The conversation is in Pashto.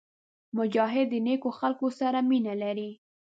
مجاهد د نیکو خلکو سره مینه لري.